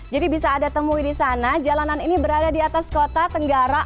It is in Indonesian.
jadi bisa ada temui di sana jalanan ini berada di atas kota tenggara